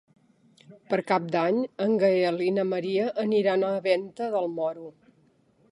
Per Cap d'Any en Gaël i na Maria aniran a Venta del Moro.